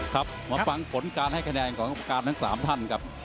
ครับมาฟังผลการให้คะแนนของกรรมการทั้ง๓ท่านครับ